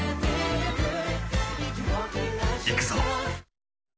いくぞ。